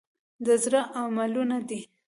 د زړه عملونه دي .